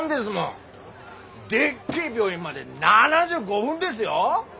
でっけえ病院まで７５分ですよ？